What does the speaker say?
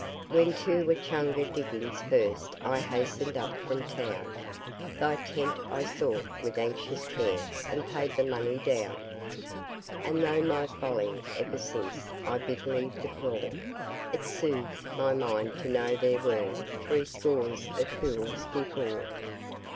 When to Echunga diggings first I hastened up from town, Thy tent I sought with anxious care And paid the money down. And though my folly ever since I bitterly deplore, It soothes my mind to know there were Three scores of fools before.